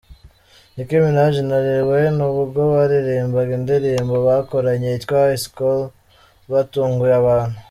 Nicki Manaj na Lil Wayne ubwo baririmbaga indirimbo bakoranye yitwa High Scholl batunguye abantu.